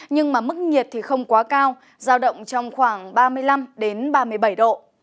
nhưng mức nhiệt không quá cao giao động trong khoảng ba mươi năm ba mươi bảy độ